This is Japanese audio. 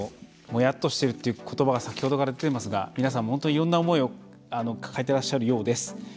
やっとしてるということばが先ほどから出ていますが皆さんも本当にいろんな思いを抱えていらっしゃるようです。